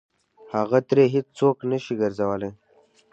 هغه ترې هېڅ څوک نه شي ګرځولی.